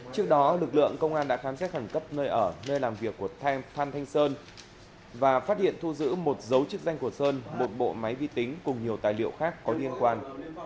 trước đó lực lượng công an đã khám xét hẳn cấp nơi ở nơi làm việc của phan thanh sơn và phát hiện thu giữ một dấu chức danh của sơn một bộ máy vi tính cùng nhiều tài liệu khác có liên quan